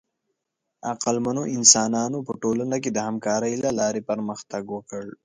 عقلمنو انسانانو په ټولنه کې د همکارۍ له لارې پرمختګ وکړ.